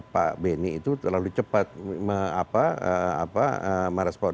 pak beni terlalu cepat merespon